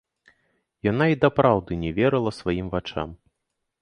Яна і дапраўды не верыла сваім вачам.